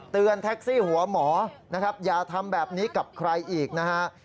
แท็กซี่หัวหมอนะครับอย่าทำแบบนี้กับใครอีกนะฮะ